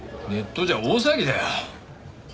ネットじゃ大騒ぎだよ。